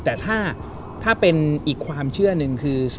แต่ถ้าเป็นอีกความเชื่อหนึ่งคือ